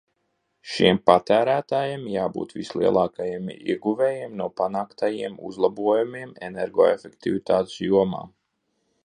Šiem patērētājiem jābūt vislielākajiem ieguvējiem no panāktajiem uzlabojumiem energoefektivitātes jomā.